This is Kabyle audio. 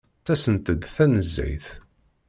Ttasent-d tanezzayt.